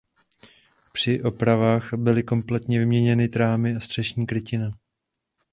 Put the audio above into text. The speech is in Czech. Při opravách byly kompletně vyměněny trámy a střešní krytina.